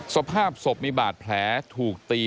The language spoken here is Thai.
สภาพศพมีบาดแผลถูกตี